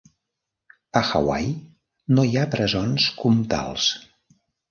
A Hawaii no hi ha presons comtals.